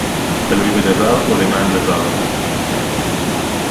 תָּלוּי בְּדָבָר, אוֹ לְמַעַן דָּבָר.